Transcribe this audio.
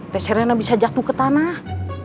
t serena bisa jatuh ke tanah